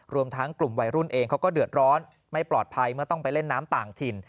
รวมทั้งกลุ่มวัยรุ่นเองเขาก็เดือดร้อนไม่ปลอดภัยเมื่อต้องไปเล่นน้ำต่างถิ่น